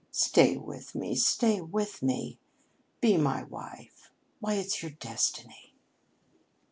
Stay with me, stay with me! Be my wife. Why, it's your destiny."